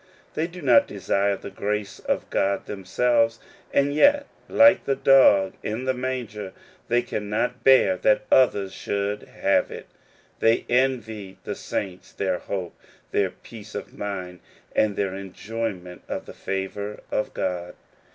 They do not desire the grace of God themselves, and yet, like the dog in the manger, they cannot bear that others should have it ; they envy the saints their hope, their peace of mind, and their enjoyment of the favor of God.